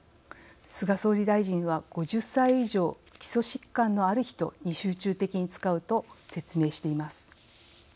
菅総理大臣は５０歳以上、基礎疾患のある人に集中的に使うと説明しています。